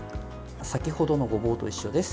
先程のごぼうと一緒です。